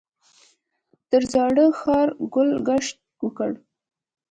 تر زاړه ښاره ګل ګشت وکړ.